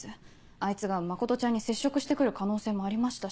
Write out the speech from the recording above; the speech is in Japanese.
あいつが真ちゃんに接触して来る可能性もありましたし。